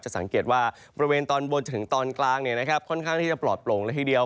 จะสังเกตว่าบริเวณตอนบนถึงตอนกลางเนี่ยนะครับค่อนข้างที่จะปลอดโปรงและทีเดียว